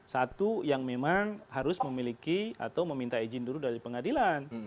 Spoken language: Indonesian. satu yang memang harus memiliki atau meminta izin dulu dari pengadilan